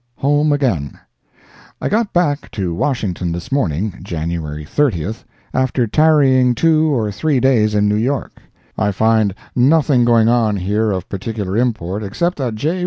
Home Again. I got back to Washington this morning (January 30th,) after tarrying two or three days in New York. I find nothing going on here of particular import, except that J.